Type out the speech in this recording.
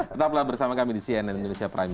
tetaplah bersama kami di cnn indonesia prime news